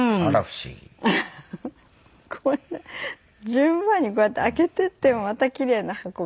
順番にこうやって開けていってもまたキレイな箱が。